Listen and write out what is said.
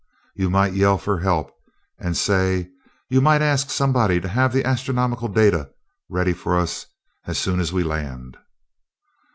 You might yell for help and say, you might ask somebody to have that astronomical data ready for us as soon as we land."